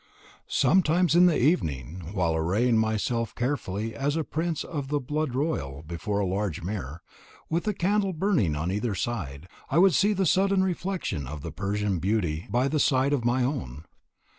Sometimes in the evening, while arraying myself carefully as a prince of the blood royal before a large mirror, with a candle burning on either side, I would see a sudden reflection of the Persian beauty by the side of my own.